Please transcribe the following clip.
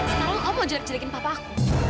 sekarang om mau culik culikin papaku